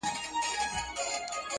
اوس یې خلګ پر دې نه دي چي حرام دي.